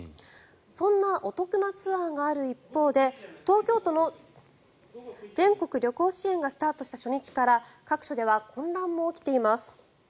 そんなお得なツアーがある一方で東京都の全国旅行支援がスタートした初日から各所では混乱も起きています。